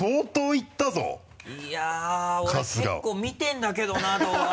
いや俺結構見てるんだけどな動画。